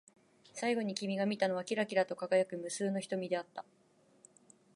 最後に君が見たのは、きらきらと輝く無数の瞳であった。